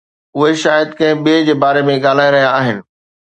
اهي شايد ڪنهن ٻئي جي باري ۾ ڳالهائي رهيا آهن.